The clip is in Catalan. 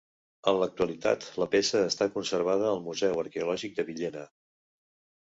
En l'actualitat la peça està conservada al Museu Arqueològic de Villena.